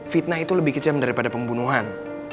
fitnah itu lebih kejam daripada pembunuhan